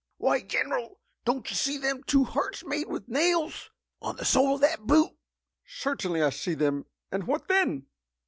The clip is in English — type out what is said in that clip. "Why, General, don't you see them two hearts made with nails, on the sole of that boot?" "Certainly I see them. And what then?"